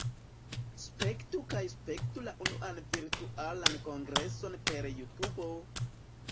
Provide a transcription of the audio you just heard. Spektu kaj spertu la unuan Virtualan Kongreson per JuTubo!